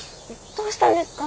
どうしたんですか？